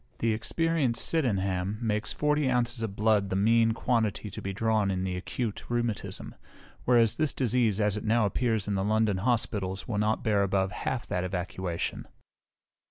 The experienced Sydenham makes forty ounces of blood the mean quantity to be drawn in the acute rheumatism; whereas this disease, as it now appears in the London hospitals, will not bear above half that evacuation.